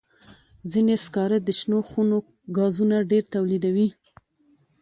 ځینې سکاره د شنو خونو ګازونه ډېر تولیدوي.